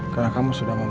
karena kamu sudah membantu